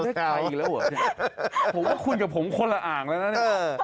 ตายอีกแล้วเหรอพี่ผมว่าคุยกับผมคนละอ่างแล้วนะเนี่ย